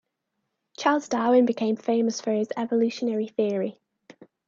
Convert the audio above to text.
Charles Darwin became famous for his evolutionary theory.